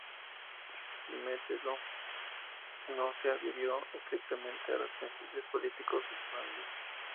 Metelo no se adhirió estrictamente a los principios políticos de su familia.